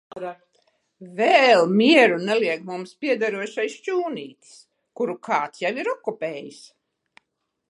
Vēl mieru neliek mums piederošais šķūnītis, kuru kāds jau ir okupējis.